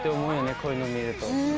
こういうの見ると。